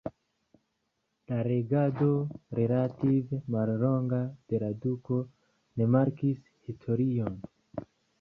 La regado relative mallonga de la duko ne markis historion.